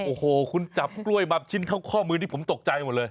โอ้โหคุณจับกล้วยมาชิ้นเข้าข้อมือนี่ผมตกใจหมดเลย